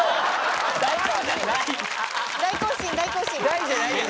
大じゃないやん。